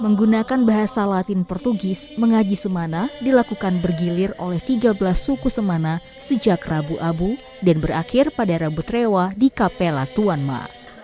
menggunakan bahasa latin portugis mengaji semana dilakukan bergilir oleh tiga belas suku semana sejak rabu abu dan berakhir pada rabu trewa di kapela tuan ma